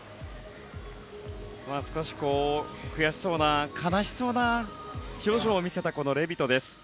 少し悔しそうな悲しそうな表情を見せたこのレビトです。